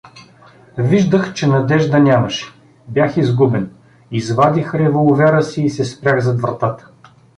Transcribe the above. Виждах, че надежда нямаше: бях изгубен… Извадих револвера си и се спрях зад вратата.